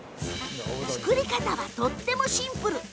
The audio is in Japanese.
作り方はとってもシンプル。